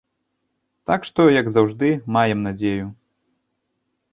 Так што, як заўжды, маем надзею.